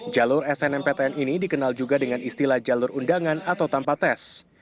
jalur snmptn ini dikenal juga dengan istilah jalur undangan atau tanpa tes